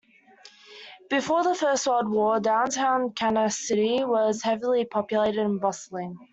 Before the First World War, Downtown Kansas City was heavily populated and bustling.